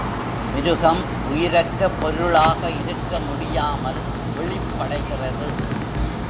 மிருகம், உயிரற்ற பொருளாக இருக்க முடியாமல், விழிப்படைகிறது.